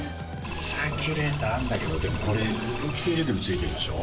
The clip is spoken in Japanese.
サーキュレーターあるんだけどでもこれ空気清浄機も付いてるでしょ。